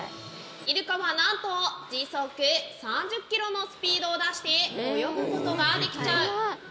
イルカはなんと時速３０ｋｍのスピードを出して泳ぐことができちゃう。